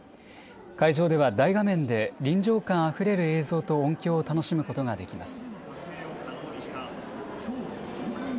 会場では、大画面で臨場感あふれる映像と音響を楽しむことができます。